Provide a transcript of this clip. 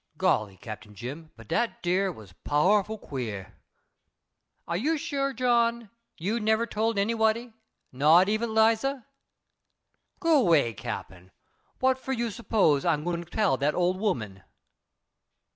"Golly, Cap. Jim, but dat dere was powerful queer." "Are you sure, John, you've never told any one not even Liza?" "Go 'way, Cap'n, wha' for you s'pose I'se gwine tell de old woman?"